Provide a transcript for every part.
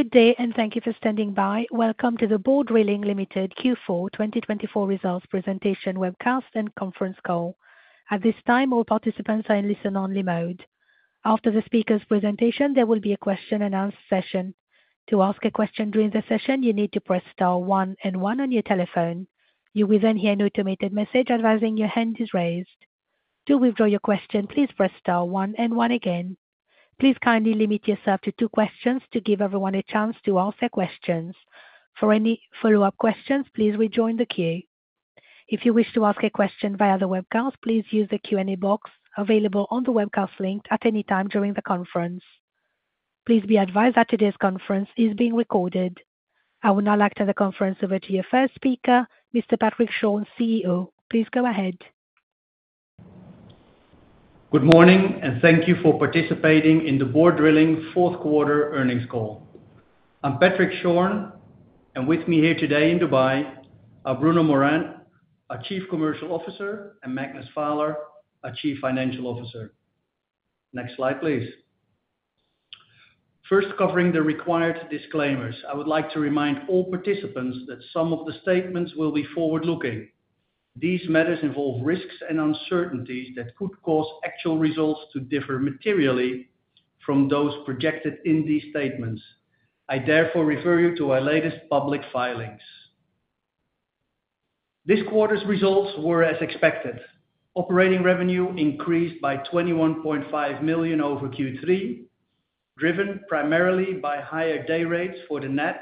Good day, and thank you for standing by. Welcome to the Borr Drilling Ltd Q4 2024 Results presentation webcast and conference call. At this time, all participants are in listen-only mode. After the speaker's presentation, there will be a question-and-answer session. To ask a question during the session, you need to press star one and one on your telephone. You will then hear an automated message advising your hand is raised. To withdraw your question, please press star one and one again. Please kindly limit yourself to two questions to give everyone a chance to ask their questions. For any follow-up questions, please rejoin the queue. If you wish to ask a question via the webcast, please use the Q&A box available on the webcast link at any time during the conference. Please be advised that today's conference is being recorded. I will now turn the conference over to your first speaker, Mr. Patrick Schorn, CEO. Please go ahead. Good morning, and thank you for participating in the Borr Drilling Fourth Quarter Earnings Call. I'm Patrick Schorn, and with me here today in Dubai are Bruno Morand our Chief Commercial Officer, and Magnus Vaaler our Chief Financial Officer. Next slide, please. First, covering the required disclaimers, I would like to remind all participants that some of the statements will be forward-looking. These matters involve risks and uncertainties that could cause actual results to differ materially from those projected in these statements. I therefore refer you to our latest public filings. This quarter's results were as expected. Operating revenue increased by $21.5 million over Q3, driven primarily by higher day rates for the Natt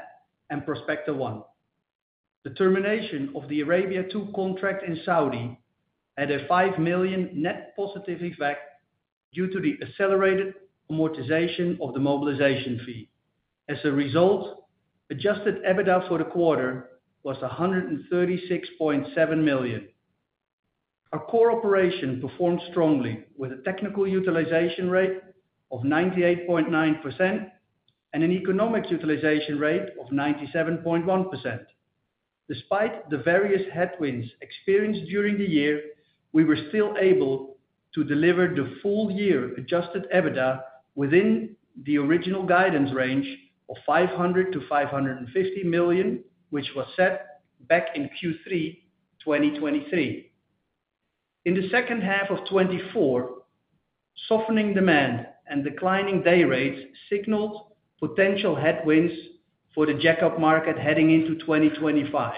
and Prospector 1. The termination of the Arabia II contract in Saudi had a $5 million net positive effect due to the accelerated amortization of the mobilization fee. As a result, adjusted EBITDA for the quarter was $136.7 million. Our core operation performed strongly, with a technical utilization rate of 98.9% and an economic utilization rate of 97.1%. Despite the various headwinds experienced during the year, we were still able to deliver the full-year Adjusted EBITDA within the original guidance range of $500 million to $550 million which was set back in Q3 2023. In the second half of 2024, softening demand and declining day rates signaled potential headwinds for the jack-up market heading into 2025,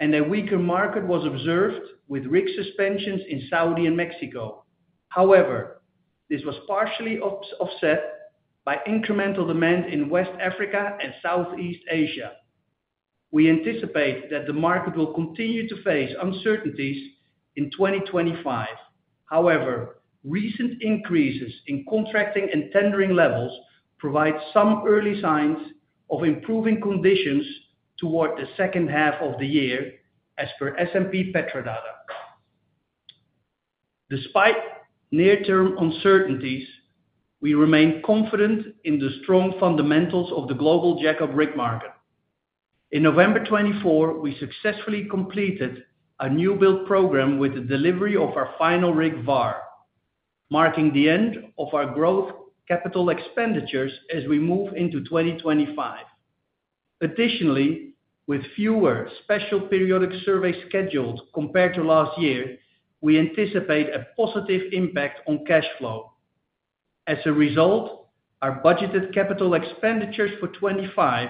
and a weaker market was observed with rig suspensions in Saudi and Mexico. However, this was partially offset by incremental demand in West Africa and Southeast Asia. We anticipate that the market will continue to face uncertainties in 2025. However, recent increases in contracting and tendering levels provide some early signs of improving conditions toward the second half of the year, as per S&P Global Petrodata data. Despite near-term uncertainties, we remain confident in the strong fundamentals of the global jack-up rig market. In November 2024, we successfully completed a new build program with the delivery of our final rig Var, marking the end of our growth capital expenditures as we move into 2025. Additionally, with fewer special periodic surveys scheduled compared to last year, we anticipate a positive impact on cash flow. As a result, our budgeted capital expenditures for 2025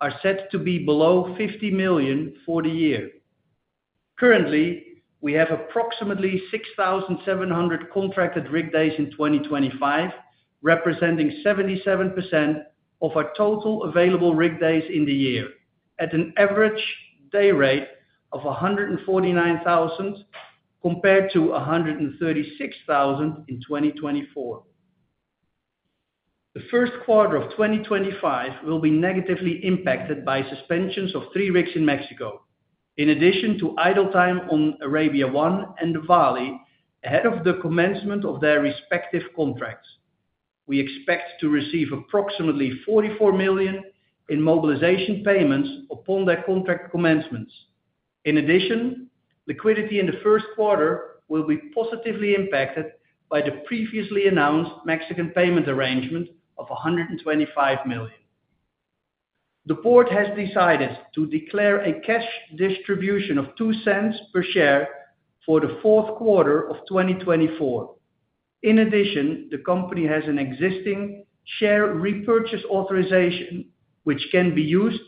are set to be below $50 million for the year. Currently, we have approximately 6,700 contracted rig days in 2025, representing 77% of our total available rig days in the year, at an average day rate of $149,000 compared to $136,000 in 2024. The first quarter of 2025 will be negatively impacted by suspensions of three rigs in Mexico, in addition to idle time on Arabia I and Vali ahead of the commencement of their respective contracts. We expect to receive approximately $44 million in mobilization payments upon their contract commencements. In addition, liquidity in the first quarter will be positively impacted by the previously announced Mexican payment arrangement of $125 million. The board has decided to declare a cash distribution of $0.02 per share for the fourth quarter of 2024. In addition, the company has an existing share repurchase authorization, which can be used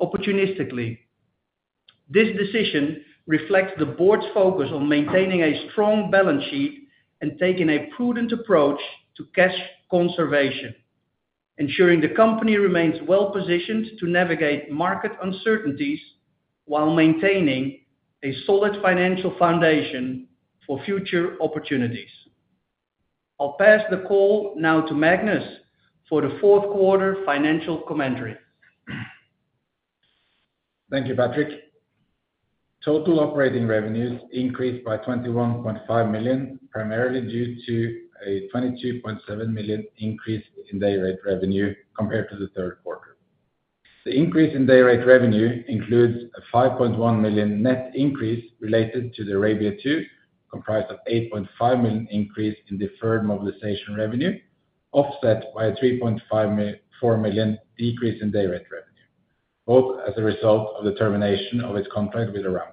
opportunistically. This decision reflects the board's focus on maintaining a strong balance sheet and taking a prudent approach to cash conservation, ensuring the company remains well-positioned to navigate market uncertainties while maintaining a solid financial foundation for future opportunities. I'll pass the call now to Magnus for the fourth quarter financial commentary. Thank you, Patrick. Total operating revenues increased by $21.5 million, primarily due to a $22.7 million increase in day rate revenue compared to the third quarter. The increase in day rate revenue includes a $5.1 million net increase related to the Arabia II, comprised of an $8.5 million increase in deferred mobilization revenue, offset by a $3.4 million decrease in day rate revenue, both as a result of the termination of its contract with Aramco.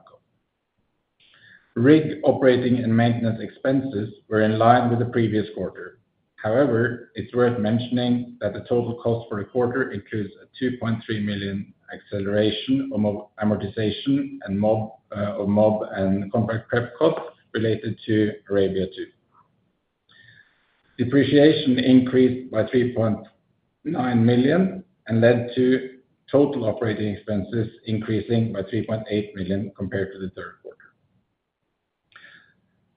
Rig operating and maintenance expenses were in line with the previous quarter. However, it's worth mentioning that the total cost for the quarter includes a $2.3 million acceleration of amortization and mob and contract prep costs related to Arabia II. Depreciation increased by $3.9 million and led to total operating expenses increasing by $3.8 million compared to the third quarter.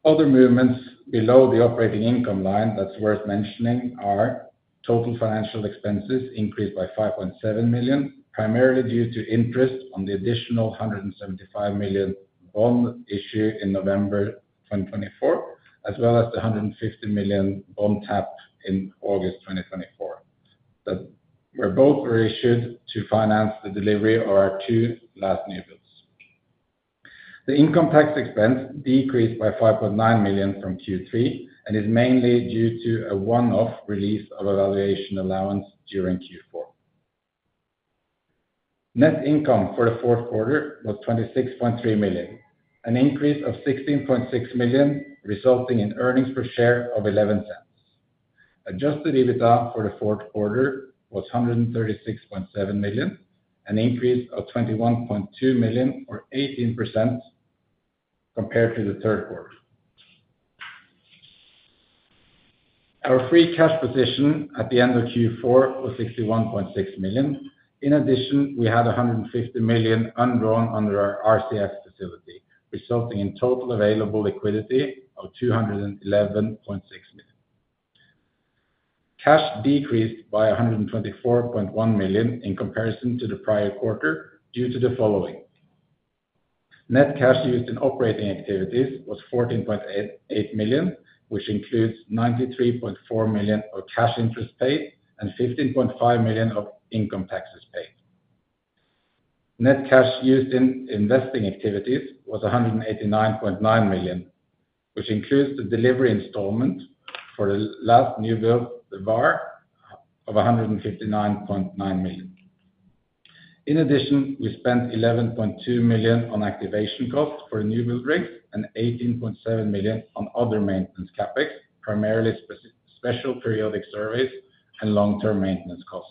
Other movements below the operating income line that's worth mentioning are total financial expenses increased by $5.7 million primarily due to interest on the additional $175 million bond issue in November 2024, as well as the $150 million bond tap in August 2024, where both were issued to finance the delivery of our two last new builds. The income tax expense decreased by $5.9 million from Q3 and is mainly due to a one-off release of valuation allowance during Q4. Net income for the fourth quarter was $26.3 million, an increase of $16.6 million, resulting in earnings per share of $0.11. Adjusted EBITDA for the fourth quarter was $136.7 million, an increase of $21.2 million or 18% compared to the third quarter. Our free cash position at the end of Q4 was $61.6 million. In addition, we had $150 million undrawn under our RCF facility, resulting in total available liquidity of $211.6 million. Cash decreased by $124.1 million in comparison to the prior quarter due to the following. Net cash used in operating activities was $14.8 million which includes $93.4 million of cash interest paid and $15.5 million of income taxes paid. Net cash used in investing activities was $189.9 million, which includes the delivery installment for the last new build, the Var of $159.9 million. In addition, we spent $11.2 million on activation costs for new build rigs and $18.7 million on other maintenance CapEx, primarily special periodic surveys and long-term maintenance costs.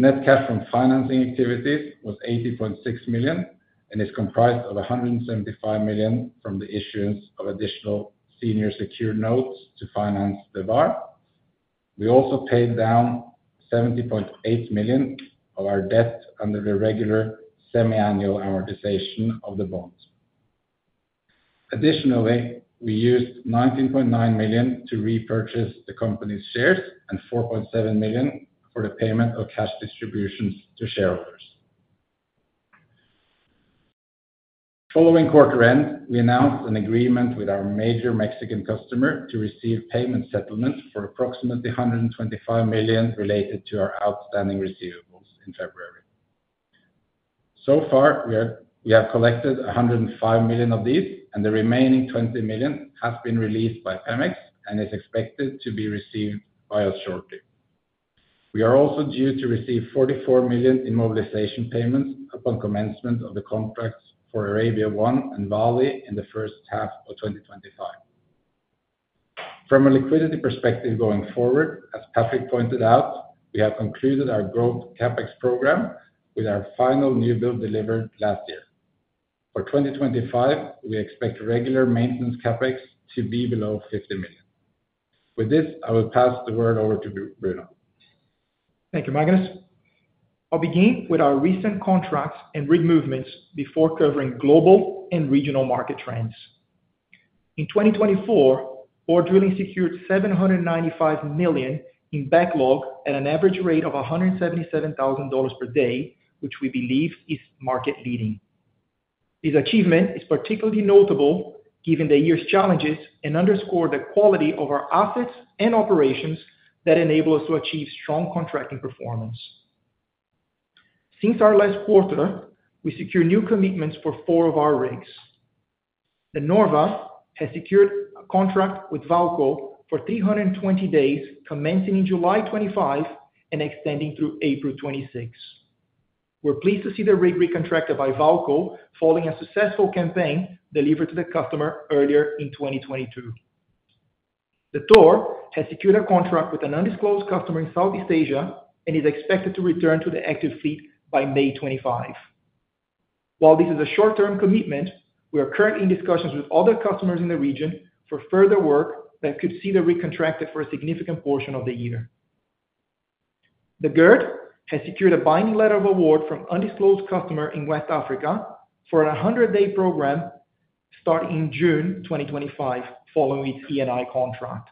Net cash from financing activities was $80.6 million and is comprised of $175 million from the issuance of additional senior secured notes to finance the Var. We also paid down $70.8 million of our debt under the regular semi-annual amortization of the bonds. Additionally, we used $19.9 million to repurchase the company's shares and $4.7 million for the payment of cash distributions to shareholders. Following quarter end, we announced an agreement with our major Mexican customer to receive payment settlement for approximately $125 million related to our outstanding receivables in February. So far, we have collected $105 million of these, and the remaining $20 million has been released by Pemex and is expected to be received by us shortly. We are also due to receive $44 million in mobilization payments upon commencement of the contracts for Arabia I and Vali in the first half of 2025. From a liquidity perspective going forward, as Patrick pointed out, we have concluded our growth CapEx program with our final new build delivered last year. For 2025, we expect regular maintenance CapEx to be below $50 million. With this, I will pass the word over to Bruno. Thank you, Magnus. I'll begin with our recent contracts and rig movements before covering global and regional market trends. In 2024, Borr Drilling secured $795 million in backlog at an average rate of $177,000 per day, which we believe is market-leading. This achievement is particularly notable given the year's challenges and underscores the quality of our assets and operations that enable us to achieve strong contracting performance. Since our last quarter, we secured new commitments for four of our rigs. The Norve has secured a contract with Vaalco for 320 days, commencing in July 2025 and extending through April 2026. We're pleased to see the rig re-contracted by Vaalco following a successful campaign delivered to the customer earlier in 2022. The Thor has secured a contract with an undisclosed customer in Southeast Asia and is expected to return to the active fleet by May 2025. While this is a short-term commitment, we are currently in discussions with other customers in the region for further work that could see the rig contracted for a significant portion of the year. The Gerd has secured a binding letter of award from an undisclosed customer in West Africa for a 100-day program starting in June 2025 following its Eni contract.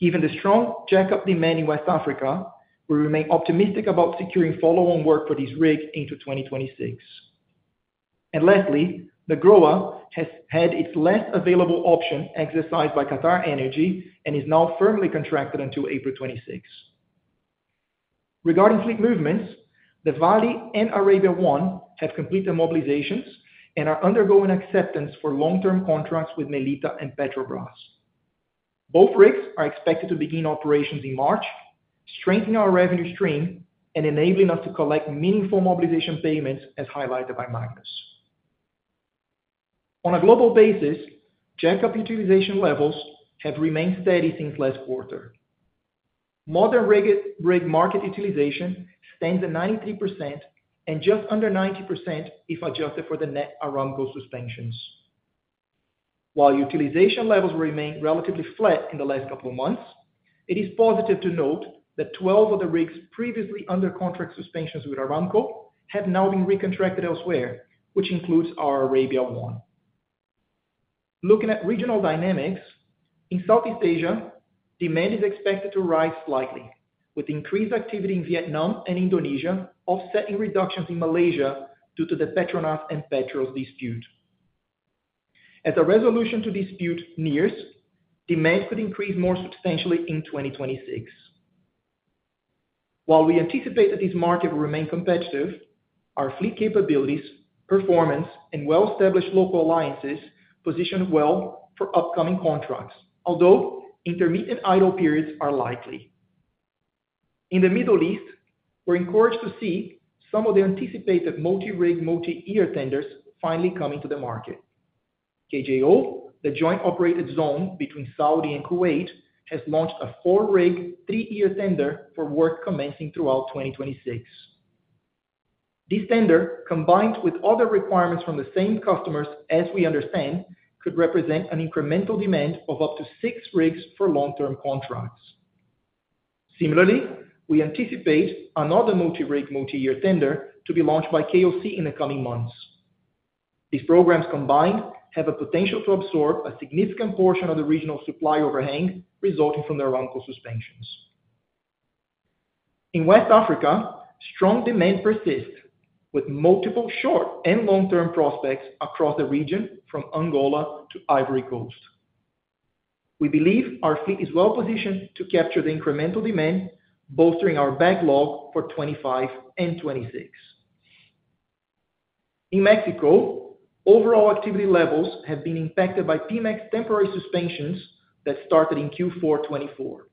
Given the strong jack-up demand in West Africa, we remain optimistic about securing follow-on work for this rig into 2026. And lastly, the Groa has had its last available option exercised by QatarEnergy and is now firmly contracted until April 2026. Regarding fleet movements, the Vali and Arabia I have completed mobilizations and are undergoing acceptance for long-term contracts with Mellitah and Petrobras. Both rigs are expected to begin operations in March, strengthening our revenue stream and enabling us to collect meaningful mobilization payments, as highlighted by Magnus. On a global basis, jack-up utilization levels have remained steady since last quarter. Modern rig market utilization stands at 93% and just under 90% if adjusted for the net Aramco suspensions. While utilization levels remain relatively flat in the last couple of months, it is positive to note that 12 of the rigs previously under contract suspensions with Aramco have now been reconstructed elsewhere, which includes our Arabia I. Looking at regional dynamics, in Southeast Asia, demand is expected to rise slightly, with increased activity in Vietnam and Indonesia offsetting reductions in Malaysia due to the Petronas and Petros dispute. As a resolution to dispute nears, demand could increase more substantially in 2026. While we anticipate that this market will remain competitive, our fleet capabilities, performance, and well-established local alliances position well for upcoming contracts, although intermittent idle periods are likely. In the Middle East, we're encouraged to see some of the anticipated multi-rig, multi-year tenders finally coming to the market. KJO, the joint operations zone between Saudi and Kuwait, has launched a four-rig, three-year tender for work commencing throughout 2026. This tender, combined with other requirements from the same customers, as we understand, could represent an incremental demand of up to six rigs for long-term contracts. Similarly, we anticipate another multi-rig, multi-year tender to be launched by KOC in the coming months. These programs combined have a potential to absorb a significant portion of the regional supply overhang resulting from the Aramco suspensions. In West Africa, strong demand persists with multiple short and long-term prospects across the region from Angola to Ivory Coast. We believe our fleet is well-positioned to capture the incremental demand, bolstering our backlog for 2025 and 2026. In Mexico, overall activity levels have been impacted by Pemex temporary suspensions that started in Q4 2024.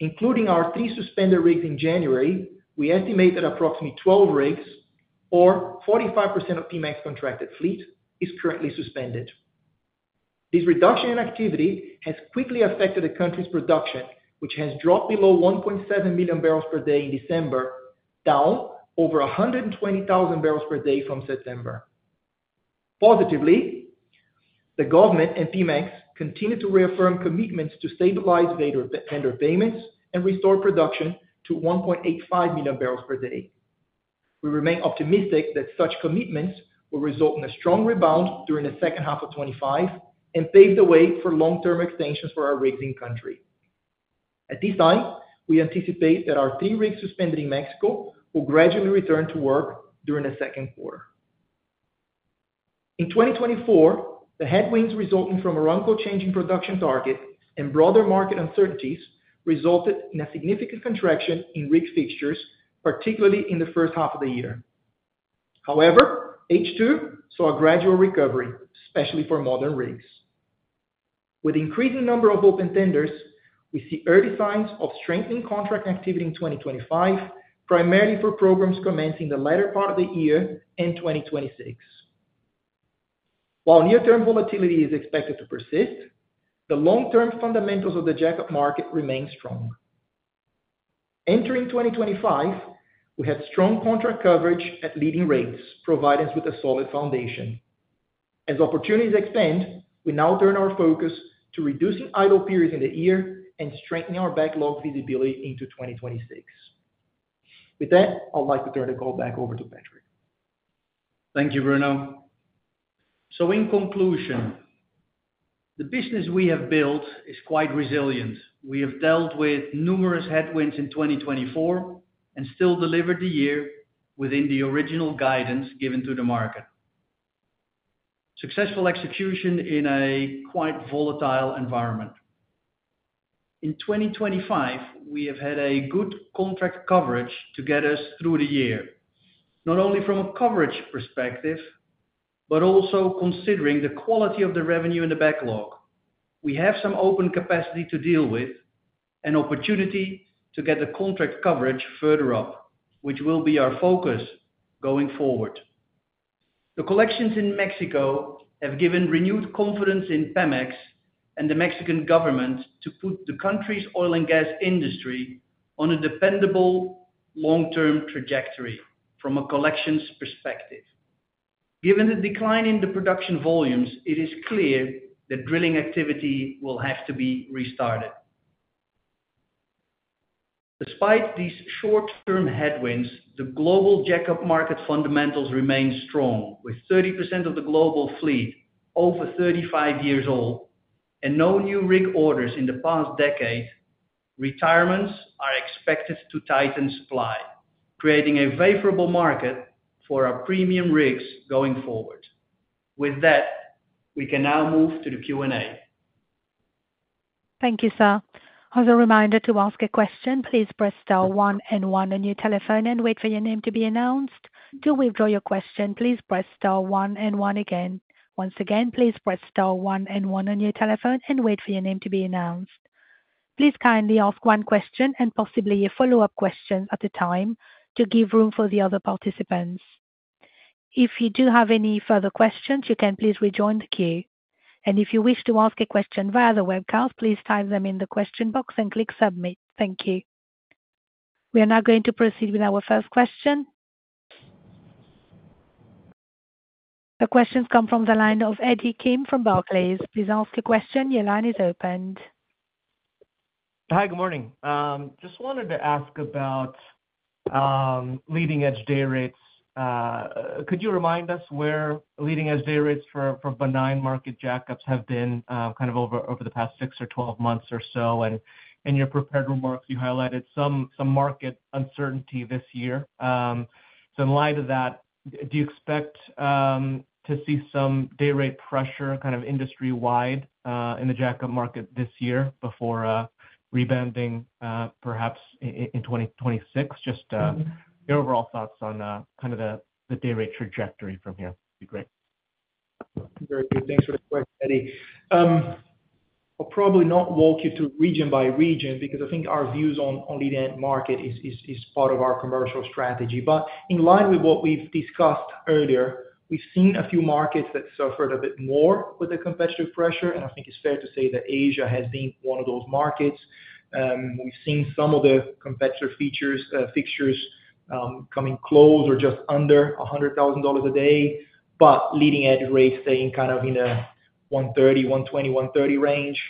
Including our three suspended rigs in January, we estimate that approximately 12 rigs, or 45% of Pemex contracted fleet, is currently suspended. This reduction in activity has quickly affected the country's production, which has dropped below 1.7 million barrels per day in December, down over 120,000 barrels per day from September. Positively, the government and Pemex continue to reaffirm commitments to stabilize tender payments and restore production to 1.85 million barrels per day. We remain optimistic that such commitments will result in a strong rebound during the second half of 2025 and pave the way for long-term extensions for our rigs in country. At this time, we anticipate that our three rigs suspended in Mexico will gradually return to work during the second quarter. In 2024, the headwinds resulting from Aramco changing production targets and broader market uncertainties resulted in a significant contraction in rig fixtures, particularly in the first half of the year. However, H2 saw a gradual recovery, especially for modern rigs. With the increasing number of open tenders, we see early signs of strengthening contract activity in 2025, primarily for programs commencing the latter part of the year and 2026. While near-term volatility is expected to persist, the long-term fundamentals of the jack-up market remain strong. Entering 2025, we have strong contract coverage at leading rates, providing us with a solid foundation. As opportunities expand, we now turn our focus to reducing idle periods in the year and strengthening our backlog visibility into 2026. With that, I'd like to turn the call back over to Patrick. Thank you, Bruno. So in conclusion, the business we have built is quite resilient. We have dealt with numerous headwinds in 2024 and still delivered the year within the original guidance given to the market. Successful execution in a quite volatile environment. In 2025, we have had a good contract coverage to get us through the year, not only from a coverage perspective, but also considering the quality of the revenue in the backlog. We have some open capacity to deal with and opportunity to get the contract coverage further up, which will be our focus going forward. The collections in Mexico have given renewed confidence in Pemex and the Mexican government to put the country's oil and gas industry on a dependable long-term trajectory from a collections perspective. Given the decline in the production volumes, it is clear that drilling activity will have to be restarted. Despite these short-term headwinds, the global jack-up market fundamentals remain strong, with 30% of the global fleet over 35 years old and no new rig orders in the past decade. Retirements are expected to tighten supply, creating a favorable market for our premium rigs going forward. With that, we can now move to the Q&A. Thank you, sir. As a reminder to ask a question, please press star one and one on your telephone and wait for your name to be announced. To withdraw your question, please press star one and one again. Once again, please press star one and one on your telephone and wait for your name to be announced. Please kindly ask one question and possibly a follow-up question at a time to give room for the other participants. If you do have any further questions, you can please rejoin the queue. And if you wish to ask a question via the webcast, please type them in the question box and click submit. Thank you. We are now going to proceed with our first question. The questions come from the line of Eddie Kim from Barclays. Please ask a question. Your line is open. Hi, good morning. Just wanted to ask about leading-edge day rates. Could you remind us where leading-edge day rates for benign market jack-ups have been kind of over the past six or 12 months or so, and in your prepared remarks, you highlighted some market uncertainty this year. So in light of that, do you expect to see some day rate pressure kind of industry-wide in the jack-up market this year before rebounding perhaps in 2026? Just your overall thoughts on kind of the day rate trajectory from here would be great. Very good. Thanks for the question, Eddie. I'll probably not walk you through region by region because I think our views on leading-edge market is part of our commercial strategy. But in line with what we've discussed earlier, we've seen a few markets that suffered a bit more with the competitive pressure, and I think it's fair to say that Asia has been one of those markets. We've seen some of the competitor fixtures coming close or just under $100,000 a day, but leading-edge rates staying kind of in the 130, 120, 130 range.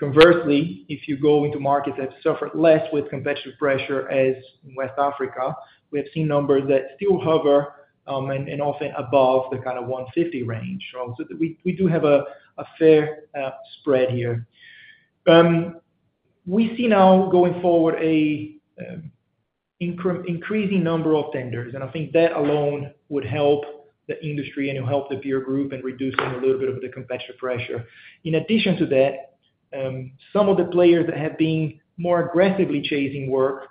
Conversely, if you go into markets that have suffered less with competitive pressure, as in West Africa, we have seen numbers that still hover and often above the kind of 150 range, so we do have a fair spread here. We see now going forward an increasing number of tenders and I think that alone would help the industry and will help the peer group in reducing a little bit of the competitive pressure. In addition to that, some of the players that have been more aggressively chasing work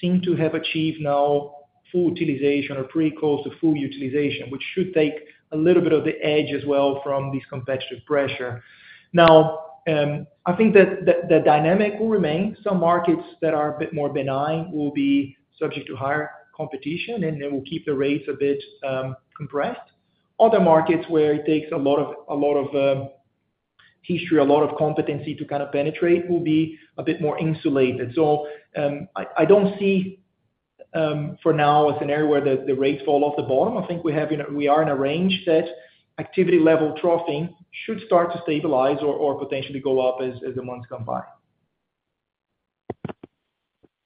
seem to have achieved now full utilization or pretty close to full utilization, which should take a little bit of the edge as well from this competitive pressure. Now, I think that the dynamic will remain. Some markets that are a bit more benign will be subject to higher competition, and they will keep the rates a bit compressed. Other markets where it takes a lot of history, a lot of competency to kind of penetrate will be a bit more insulated. So I don't see for now a scenario where the rates fall off the bottom. I think we are in a range that activity-level troughing should start to stabilize or potentially go up as the months go by.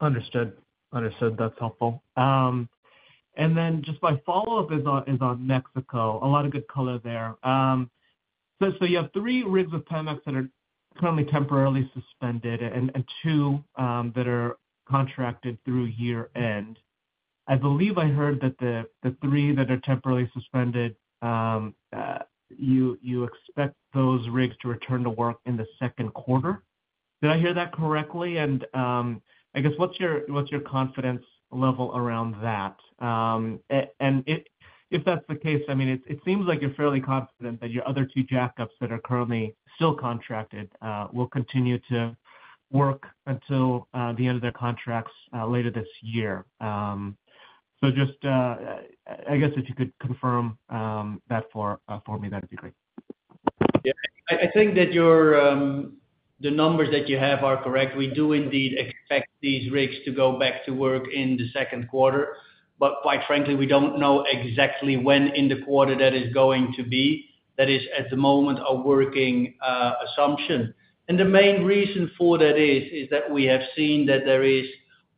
Understood. Understood. That's helpful, and then just my follow-up is on Mexico. A lot of good color there. So you have three rigs with Pemex that are currently temporarily suspended and two that are contracted through year-end. I believe I heard that the three that are temporarily suspended, you expect those rigs to return to work in the second quarter. Did I hear that correctly? And I guess what's your confidence level around that? And if that's the case, I mean, it seems like you're fairly confident that your other two jack-ups that are currently still contracted will continue to work until the end of their contracts later this year. So just I guess if you could confirm that for me, that would be great. Yeah. I think that the numbers that you have are correct. We do indeed expect these rigs to go back to work in the second quarter, but quite frankly, we don't know exactly when in the quarter that is going to be. That is, at the moment, a working assumption. And the main reason for that is that we have seen that there is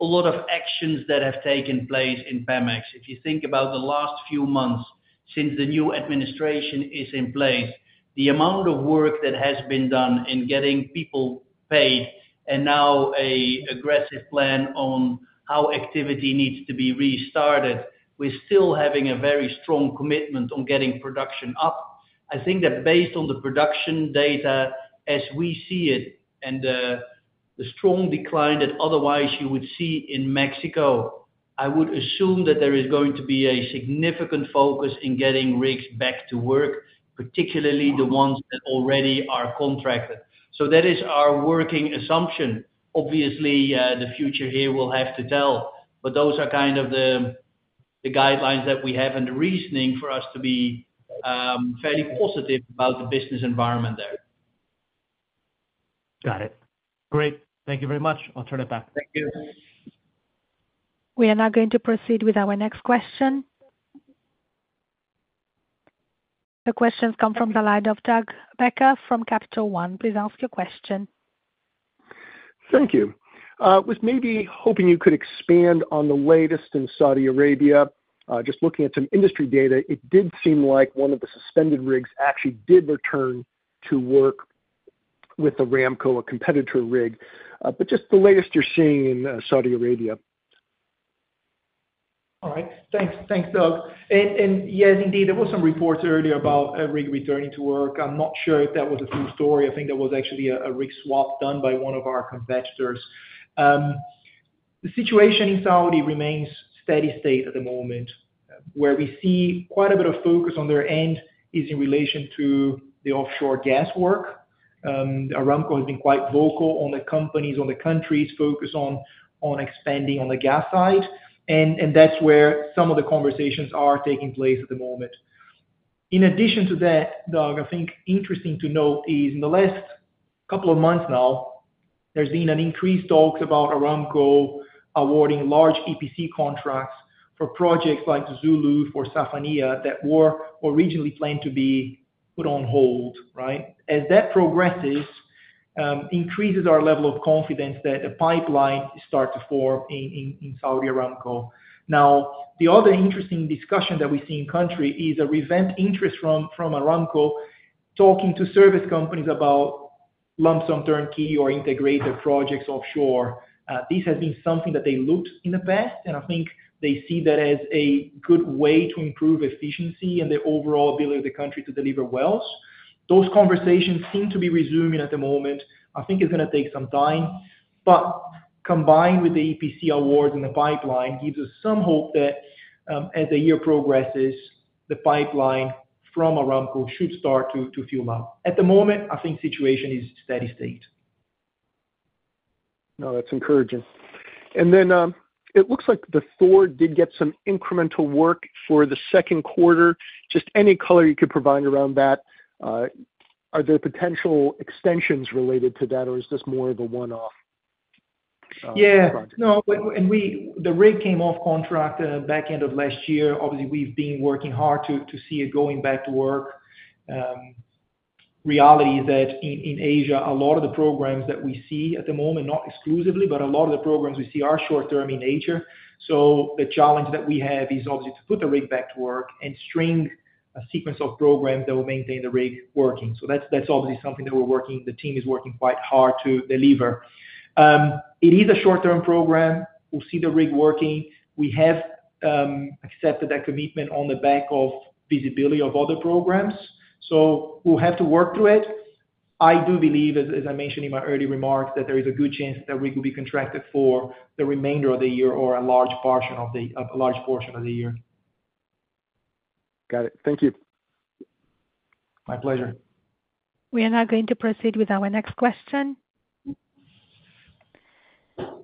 a lot of actions that have taken place in Pemex. If you think about the last few months since the new administration is in place, the amount of work that has been done in getting people paid and now an aggressive plan on how activity needs to be restarted, we're still having a very strong commitment on getting production up. I think that based on the production data as we see it and the strong decline that otherwise you would see in Mexico, I would assume that there is going to be a significant focus in getting rigs back to work, particularly the ones that already are contracted. So that is our working assumption. Obviously, the future here will have to tell. But those are kind of the guidelines that we have and the reasoning for us to be fairly positive about the business environment there. Got it. Great. Thank you very much. I'll turn it back. Thank you. We are now going to proceed with our next question. The questions come from the line of Doug Becker from Capital One. Please ask your question. Thank you. I was maybe hoping you could expand on the latest in Saudi Arabia. Just looking at some industry data, it did seem like one of the suspended rigs actually did return to work with the Aramco, a competitor rig. But just the latest you're seeing in Saudi Arabia. All right. Thanks, Doug. And yes, indeed, there were some reports earlier about a rig returning to work. I'm not sure if that was a true story. I think there was actually a rig swap done by one of our competitors. The situation in Saudi remains steady-state at the moment. Where we see quite a bit of focus on their end is in relation to the offshore gas work. Aramco has been quite vocal on the companies, on the countries' focus on expanding on the gas side. And that's where some of the conversations are taking place at the moment. In addition to that, Doug, I think interesting to note is in the last couple of months now, there's been an increased talk about Aramco awarding large EPC contracts for projects like Zuluf or Safaniya that were originally planned to be put on hold, right? As that progresses, increases our level of confidence that a pipeline starts to form in Saudi Aramco. Now, the other interesting discussion that we see in country is a revamped interest from Aramco talking to service companies about lump sum turnkey or integrated projects offshore. This has been something that they looked in the past, and I think they see that as a good way to improve efficiency and the overall ability of the country to deliver wells. Those conversations seem to be resuming at the moment. I think it's going to take some time, but combined with the EPC awards and the pipeline gives us some hope that as the year progresses, the pipeline from Aramco should start to fuel up. At the moment, I think the situation is steady-state. No, that's encouraging. And then it looks like the Thor did get some incremental work for the second quarter. Just any color you could provide around that. Are there potential extensions related to that, or is this more of a one-off project? Yeah. No, and the rig came off contract back end of last year. Obviously, we've been working hard to see it going back to work. Reality is that in Asia, a lot of the programs that we see at the moment, not exclusively, but a lot of the programs we see are short-term in nature. So the challenge that we have is obviously to put the rig back to work and string a sequence of programs that will maintain the rig working. So that's obviously something that we're working on. The team is working quite hard to deliver. It is a short-term program. We'll see the rig working. We have accepted that commitment on the back of visibility of other programs. So we'll have to work through it.I do believe, as I mentioned in my earlier remarks, that there is a good chance that the rig will be contracted for the remainder of the year or a large portion of the year. Got it. Thank you. My pleasure. We are now going to proceed with our next question.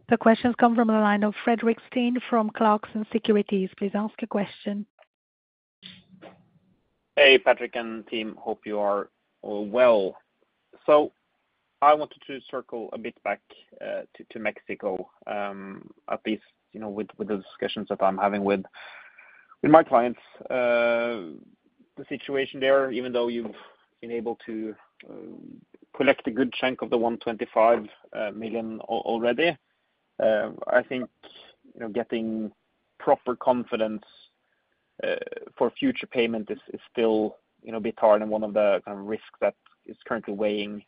The questions come from the line of Fredrik Stene from Clarksons Securities. Please ask a question. Hey, Patrick and team. Hope you are all well. So I wanted to circle a bit back to Mexico, at least with the discussions that I'm having with my clients. The situation there, even though you've been able to collect a good chunk of the $125 million already, I think getting proper confidence for future payment is still a bit hard and one of the kind of risks that is currently weighing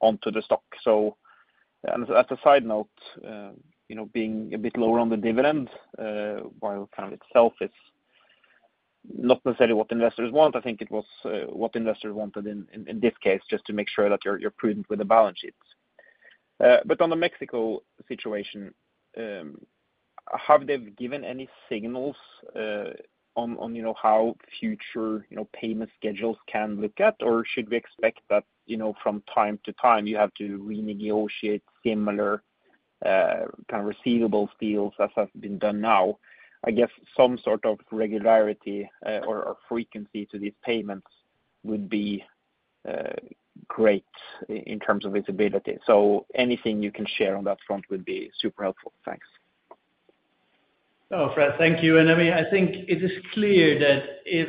onto the stock. So as a side note, being a bit lower on the dividend, while kind of itself is not necessarily what investors want, I think it was what investors wanted in this case, just to make sure that you're prudent with the balance sheets. But on the Mexico situation, have they given any signals on how future payment schedules can look like, or should we expect that from time to time you have to renegotiate similar kind of receivables deals as have been done now? I guess some sort of regularity or frequency to these payments would be great in terms of visibility. So anything you can share on that front would be super helpful. Thanks. Oh, Fred, thank you, and I mean, I think it is clear that if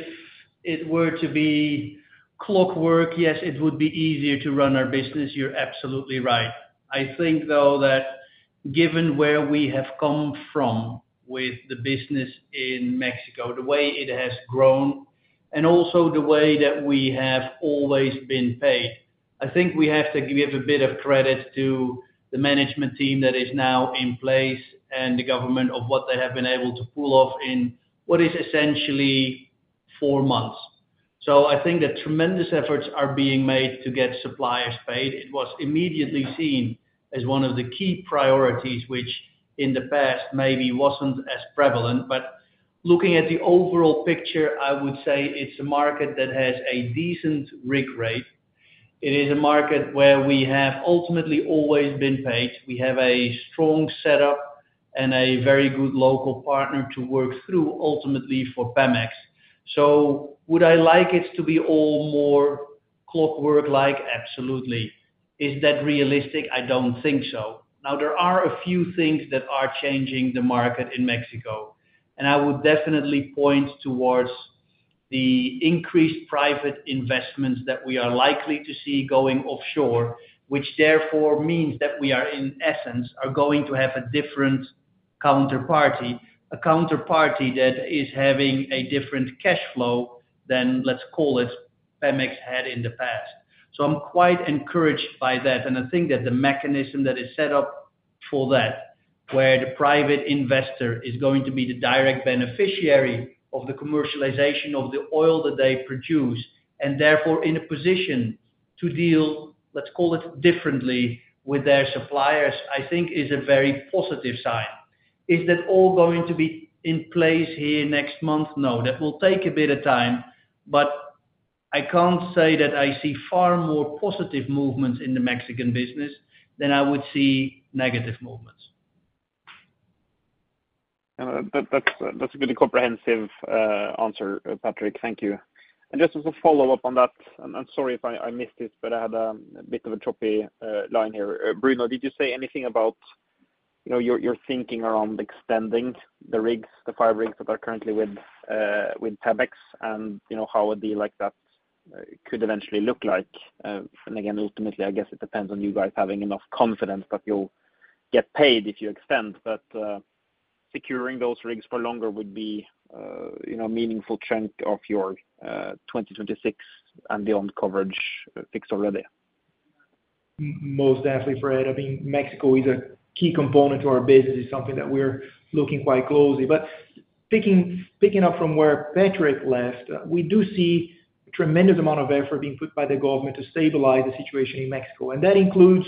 it were to be clockwork, yes, it would be easier to run our business. You're absolutely right. I think, though, that given where we have come from with the business in Mexico, the way it has grown, and also the way that we have always been paid, I think we have to give a bit of credit to the management team that is now in place and the government of what they have been able to pull off in what is essentially four months, so I think that tremendous efforts are being made to get suppliers paid. It was immediately seen as one of the key priorities, which in the past maybe wasn't as prevalent, but looking at the overall picture, I would say it's a market that has a decent rig rate. It is a market where we have ultimately always been paid. We have a strong setup and a very good local partner to work through ultimately for Pemex. So would I like it to be all more clockwork-like? Absolutely. Is that realistic? I don't think so. Now, there are a few things that are changing the market in Mexico, and I would definitely point towards the increased private investments that we are likely to see going offshore, which therefore means that we are, in essence, going to have a different counterparty, a counterparty that is having a different cash flow than, let's call it, Pemex had in the past. So I'm quite encouraged by that. I think that the mechanism that is set up for that, where the private investor is going to be the direct beneficiary of the commercialization of the oil that they produce, and therefore in a position to deal, let's call it differently, with their suppliers, I think is a very positive sign. Is that all going to be in place here next month? No. That will take a bit of time. I can't say that I see far more positive movements in the Mexican business than I would see negative movements. That's a really comprehensive answer, Patrick. Thank you. And just as a follow-up on that, and sorry if I missed it, but I had a bit of a choppy line here. Bruno, did you say anything about your thinking around extending the rigs, the five rigs that are currently with Pemex, and how a deal like that could eventually look like? And again, ultimately, I guess it depends on you guys having enough confidence that you'll get paid if you extend. But securing those rigs for longer would be a meaningful chunk of your 2026 and beyond coverage fixed already. Most definitely, Fred. I mean, Mexico is a key component to our business. It's something that we're looking quite closely. But picking up from where Patrick left, we do see a tremendous amount of effort being put by the government to stabilize the situation in Mexico. And that includes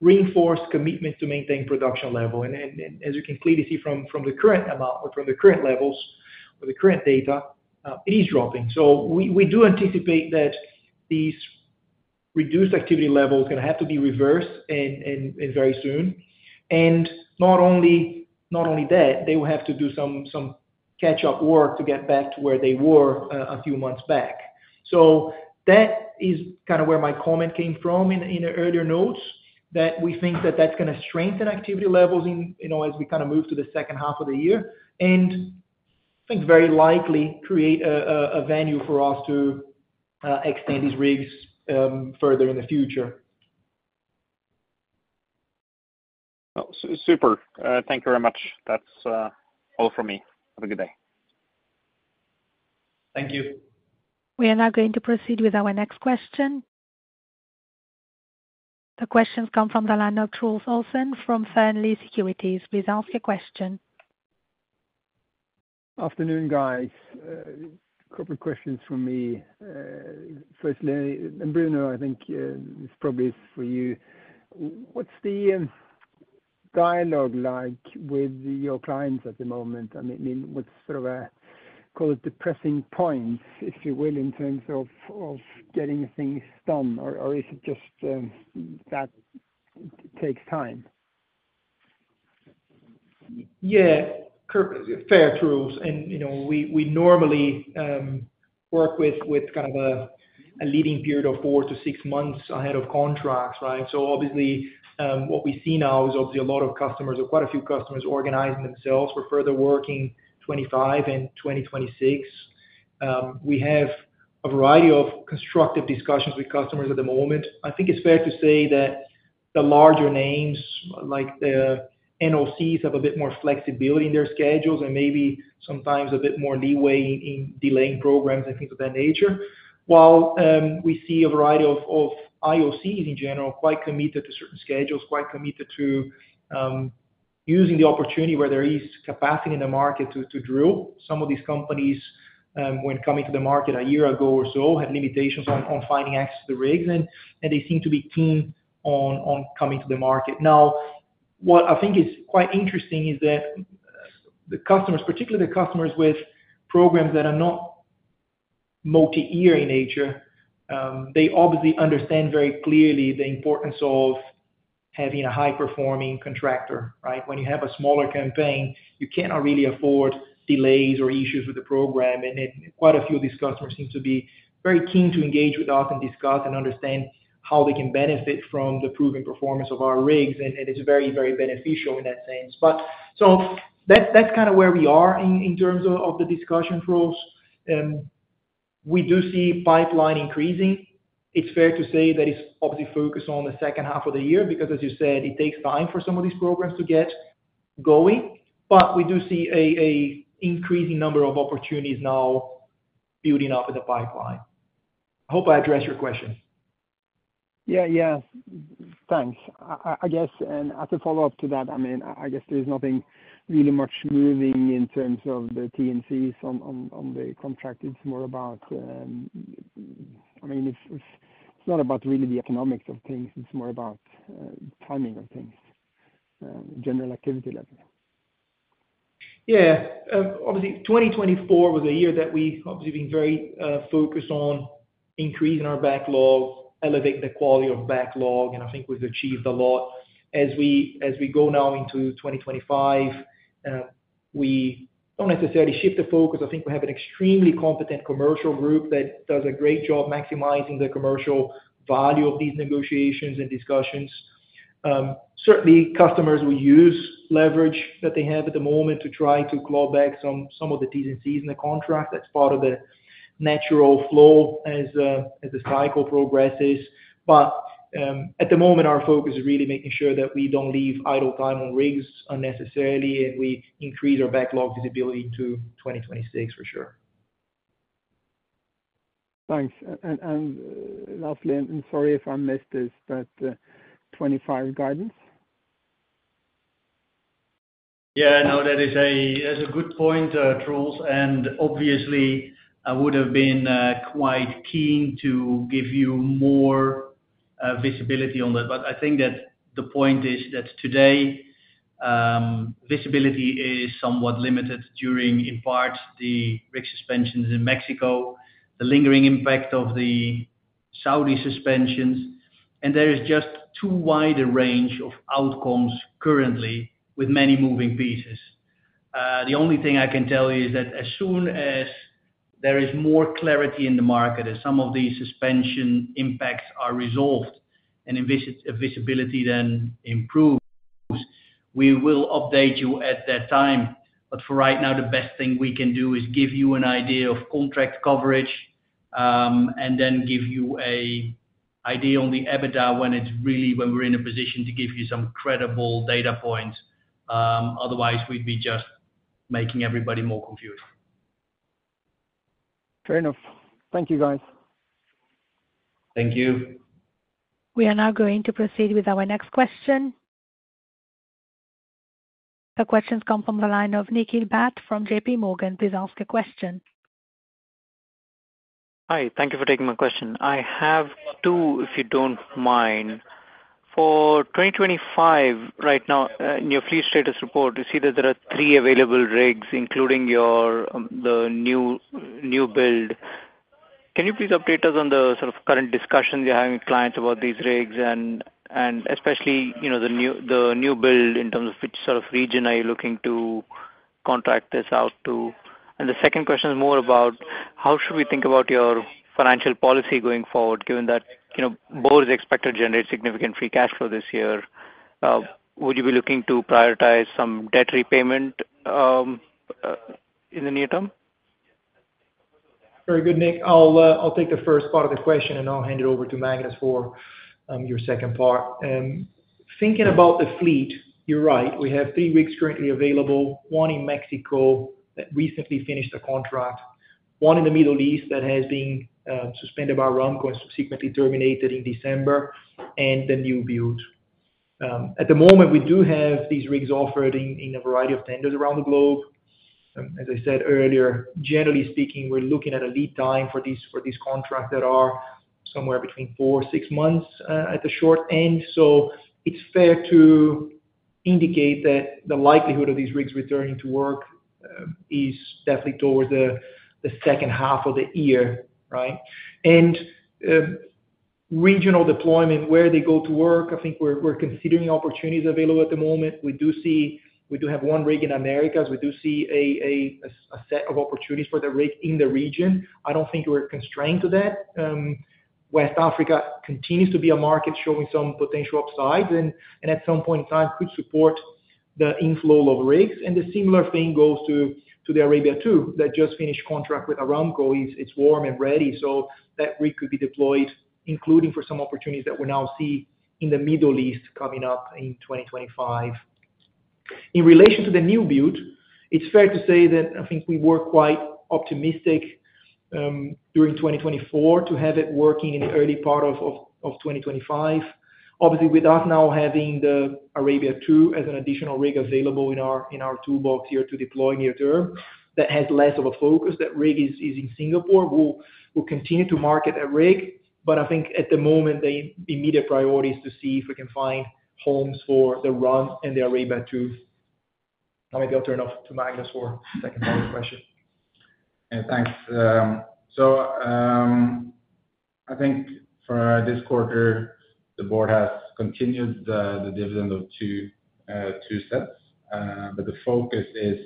reinforced commitment to maintain production level and as you can clearly see from the current amount, from the current levels, with the current data, it is dropping. So we do anticipate that these reduced activity levels are going to have to be reversed very soon. And not only that, they will have to do some catch-up work to get back to where they were a few months back. So that is kind of where my comment came from in the earlier notes, that we think that that's going to strengthen activity levels as we kind of move to the second half of the year. And I think very likely create a venue for us to extend these rigs further in the future. Well, super. Thank you very much. That's all from me. Have a good day. Thank you. We are now going to proceed with our next question. The questions come from the line of Truls Olsen from Fearnley Securities. Please ask a question. Afternoon, guys. A couple of questions for me. Firstly, Bruno, I think this probably is for you. What's the dialogue like with your clients at the moment? I mean, what's sort of a, call it, depressing point, if you will, in terms of getting things done? Or is it just that it takes time? Yeah. Fair, Truls. And we normally work with kind of a leading period of four to six months ahead of contracts, right? So obviously, what we see now is obviously a lot of customers, or quite a few customers, organizing themselves for further work in 2025 and 2026. We have a variety of constructive discussions with customers at the moment. I think it's fair to say that the larger names, like the NOCs, have a bit more flexibility in their schedules and maybe sometimes a bit more leeway in delaying programs and things of that nature. While we see a variety of IOCs in general quite committed to certain schedules, quite committed to using the opportunity where there is capacity in the market to drill. Some of these companies, when coming to the market a year ago or so, had limitations on finding access to the rigs, and they seem to be keen on coming to the market. Now, what I think is quite interesting is that the customers, particularly the customers with programs that are not multi-year in nature, they obviously understand very clearly the importance of having a high-performing contractor, right? When you have a smaller campaign, you cannot really afford delays or issues with the program. And quite a few of these customers seem to be very keen to engage with us and discuss and understand how they can benefit from the proven performance of our rigs and it's very, very beneficial in that sense, but so that's kind of where we are in terms of the discussion, Charles. We do see pipeline increasing. It's fair to say that it's obviously focused on the second half of the year because, as you said, it takes time for some of these programs to get going. But we do see an increasing number of opportunities now building up in the pipeline. I hope I addressed your question. Yeah, yeah. Thanks. I guess, and as a follow-up to that, I mean, I guess there is nothing really much moving in terms of the T&Cs on the contract. It's more about, I mean, it's not about really the economics of things. It's more about timing of things, general activity level. Yeah. Obviously, 2024 was a year that we've obviously been very focused on increasing our backlog, elevating the quality of backlog. And I think we've achieved a lot. As we go now into 2025, we don't necessarily shift the focus. I think we have an extremely competent commercial group that does a great job maximizing the commercial value of these negotiations and discussions. Certainly, customers will use leverage that they have at the moment to try to claw back some of the T&Cs in the contract. That's part of the natural flow as the cycle progresses. But at the moment, our focus is really making sure that we don't leave idle time on rigs unnecessarily, and we increase our backlog visibility into 2026 for sure. Thanks. And lastly and sorry if I missed this but 2025 guidance? Yeah, no, that is a good point, Truls, and obviously, I would have been quite keen to give you more visibility on that, but I think that the point is that today, visibility is somewhat limited, during, in part, the rig suspensions in Mexico, the lingering impact of the Saudi suspensions, and there is just too wide a range of outcomes currently with many moving pieces. The only thing I can tell you is that as soon as there is more clarity in the market, as some of these suspension impacts are resolved and visibility then improves, we will update you at that time, but for right now, the best thing we can do is give you an idea of contract coverage and then give you an idea on the EBITDA when we're in a position to give you some credible data points. Otherwise, we'd be just making everybody more confused. Fair enough. Thank you, guys. Thank you. We are now going to proceed with our next question. The questions come from the line of Nikhil Bhat from JPMorgan. Please ask a question. Hi. Thank you for taking my question. I have two, if you don't mind. For 2025, right now, in your fleet status report, you see that there are three available rigs, including the new build. Can you please update us on the sort of current discussions you're having with clients about these rigs, and especially the new build in terms of which sort of region are you looking to contract this out to? And the second question is more about how should we think about your financial policy going forward, given that Borr's expected to generate significant free cash flow this year? Would you be looking to prioritize some debt repayment in the near term? Very good, Nikhil. I'll take the first part of the question, and I'll hand it over to Magnus for your second part. Thinking about the fleet, you're right. We have three rigs currently available, one in Mexico that recently finished a contract, one in the Middle East that has been suspended by Aramco and subsequently terminated in December, and the new build. At the moment, we do have these rigs offered in a variety of tenders around the globe. As I said earlier, generally speaking, we're looking at a lead time for these contracts that are somewhere between four or six months at the short end. So it's fair to indicate that the likelihood of these rigs returning to work is definitely towards the second half of the year, right? And regional deployment, where they go to work, I think we're considering opportunities available at the moment. We do see we do have one rig in America. We do see a set of opportunities for the rig in the region. I don't think we're constrained to that. West Africa continues to be a market showing some potential upsides and at some point in time could support the inflow of rigs, and the similar thing goes to the Arabia II. That just finished contract with Aramco. It's warm and ready, so that rig could be deployed, including for some opportunities that we now see in the Middle East coming up in 2025. In relation to the new build, it's fair to say that I think we were quite optimistic during 2024 to have it working in the early part of 2025. Obviously, with us now having the Arabia II as an additional rig available in our toolbox here to deploy near term, that has less of a focus. That rig is in Singapore. We'll continue to market that rig. But I think at the moment, the immediate priority is to see if we can find homes for the Ran and the Arabia II. Now, maybe I'll turn it over to Magnus for the second part of the question. Yeah, thanks, so I think for this quarter, the board has continued the dividend of $0.02, but the focus is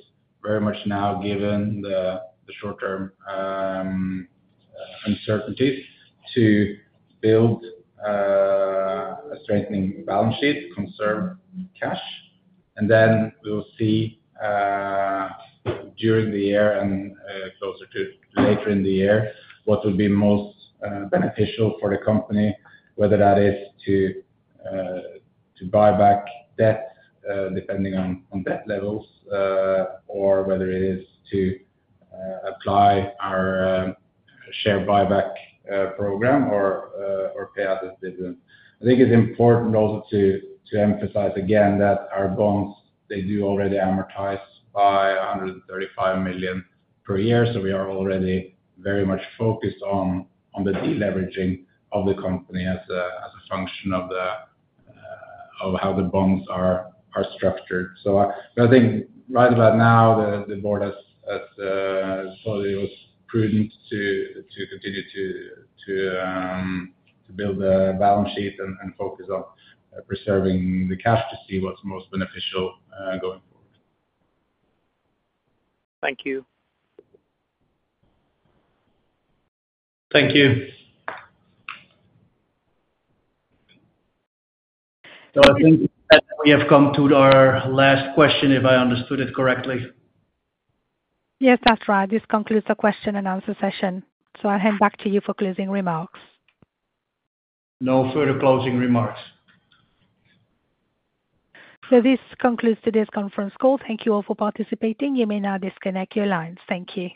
very much now, given the short-term uncertainties, to build a strengthening balance sheet, conserve cash, and then we will see during the year and closer to later in the year what will be most beneficial for the company, whether that is to buy back debt, depending on debt levels, or whether it is to apply our share buyback program or pay out the dividend. I think it's important also to emphasize again that our bonds, they do already amortize by $135 million per year, so we are already very much focused on the deleveraging of the company as a function of how the bonds are structured. I think right about now, the board has probably was prudent to continue to build a balance sheet and focus on preserving the cash to see what's most beneficial going forward. Thank you. Thank you. So I think that we have come to our last question, if I understood it correctly. Yes, that's right. This concludes the question and answer session. So I'll hand back to you for closing remarks. No further closing remarks. So this concludes today's conference call. Thank you all for participating. You may now disconnect your lines. Thank you.